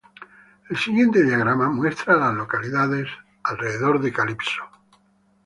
El siguiente diagrama muestra a las localidades en un radio de de Calypso.